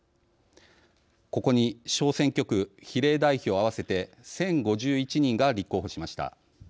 ここに小選挙区、比例代表合わせて１０５１人が立候補しました。